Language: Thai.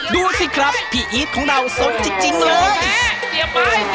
ดูสิครับพี่อีฟของเราสนจริงเลย